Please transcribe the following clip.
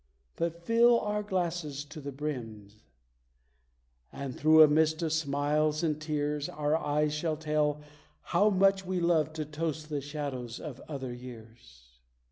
But fill your glasses to the brims, and, through a mist of smiles and tears, Our eyes shall tell how much we love to toast the shades of other years!